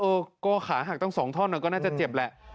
โก้ขาหักตั้ง๒ท่อนก็น่าจะเจ็บแหละ